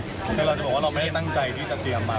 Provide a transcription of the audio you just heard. คือเราจะบอกว่าเราไม่ได้ตั้งใจที่จะเตรียมมา